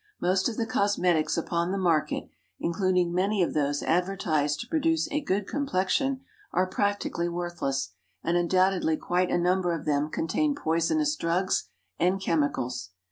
Most of the cosmetics upon the market, including many of those advertised to produce a good complexion, are practically worthless, and undoubtedly quite a number of them contain poisonous drugs and chemicals.